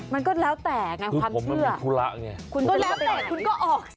มันก็แล้วแต่ความเชื่อคุณเป็นคนเลวแต่งคุณก็ออก